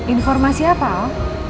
informasi apa al